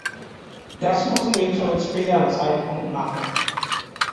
Das müssen wir zu einem späteren Zeitpunkt machen.